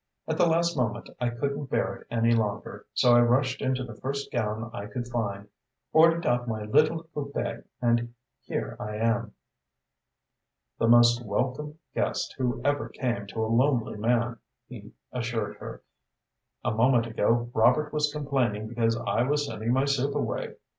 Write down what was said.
At the last moment I couldn't bear it any longer, so I rushed into the first gown I could find, ordered out my little coupé and here I am." "The most welcome guest who ever came to a lonely man," he assured her. "A moment ago, Robert was complaining because I was sending my soup away.